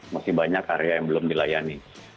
masih banyak area yang belum dilayani